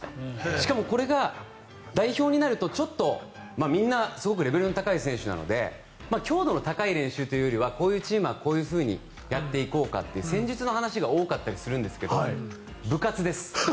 しかも、これが代表になるとちょっとみんなすごくレベルの高い選手なので強度の高い練習というよりはこういうチームはこういうふうにやっていこうかという戦術の話が多かったりするんですが部活です。